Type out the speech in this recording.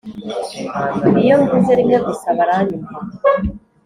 Iyo mvuze rimwe gusa baranyumva